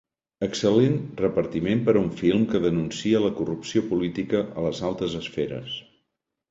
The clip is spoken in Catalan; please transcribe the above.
Excel·lent repartiment per a un film que denuncia la corrupció política a les altes esferes.